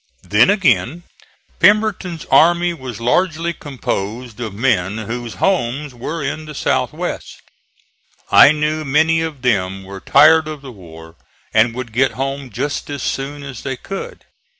Then again Pemberton's army was largely composed of men whose homes were in the South west; I knew many of them were tired of the war and would get home just as soon as they could.